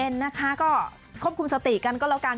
นะคะก็ควบคุมสติกันก็แล้วกัน